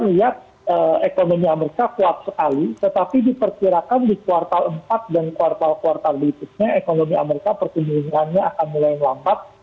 kita lihat ekonomi amerika kuat sekali tetapi diperkirakan di kuartal empat dan kuartal kuartal berikutnya ekonomi amerika pertumbuhannya akan mulai melambat